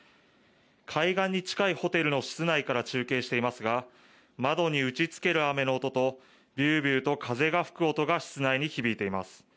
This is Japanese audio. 海岸に近いホテルの室内から中継していますが窓に打ちつける雨の音とビュービューと風が吹く音が室内に響いています。